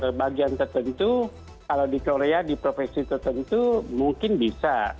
kalau tiga atau bagian tertentu kalau di korea di provinsi tertentu mungkin bisa